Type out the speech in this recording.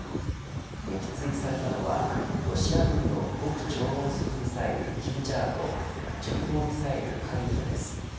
撃墜されたのはロシア軍の極超音速ミサイルキンジャールと巡航ミサイル、カリブルです。